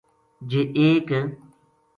جے ایک